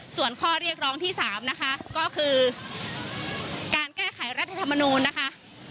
ส่วนข้อเรียกร้องที่๓นะคะก็คือการแก้ไขรัฐธรรมนูลนะคะ